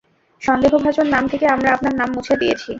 সন্দেহভাজন নাম থেকে আমরা আপনার নাম মুছে দিয়েছি।